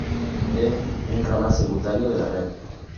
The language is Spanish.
Es un ramal secundario de la red.